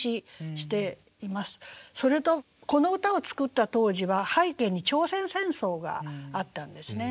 それとこの歌を作った当時は背景に朝鮮戦争があったんですね。